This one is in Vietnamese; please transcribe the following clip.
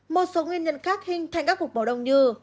một số nguyên nhân khác hình thành các cục máu đông như